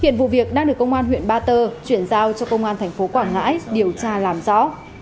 hiện vụ việc đang được công an huyện ba tơ chuyển giao cho công an thành phố quảng ngãi điều tra làm rõ